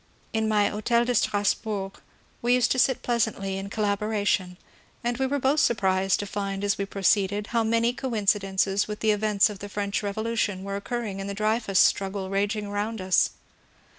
In my Hotel de Strasbourg we used to sit pleasantly in collaboration, and we were both surprised to find as we proceeded how many coincidences with events of the French Revolution were oc curring in the Dreyfus struggle raging around us.